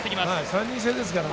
３人制ですからね。